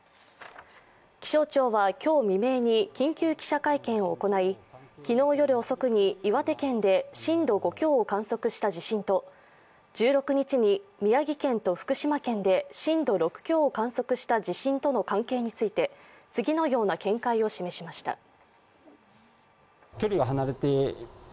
気象庁は今日未明に緊急記者会見を行い、昨日夜遅くに岩手県で震度５強を観測した地震と１６日に宮城県と福島県で震度６強を観測した地震との関係について次のような見解を示しました。